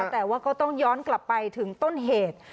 แต่ว่าก็ต้องย้อนกลับไปถึงต้นเหตุ